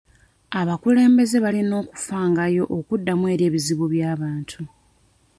Abakulembeze balina okufangayo okuddamu eri ebizibu by'abantu.